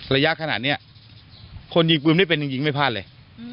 ระยะขนาดนี้คนยิงปืนไม่เป็นจริงไม่พลาดเลย